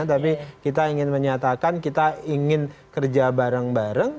tapi kita ingin menyatakan kita ingin kerja bareng bareng